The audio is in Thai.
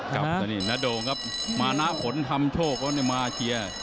ดูนี่น่าโด่งครับมานาโผนทำโชคเขาเนี่ยมาเชียร์